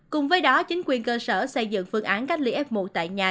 cùng với đó chính quyền cơ sở xây dựng phương án cách ly f một tại nhà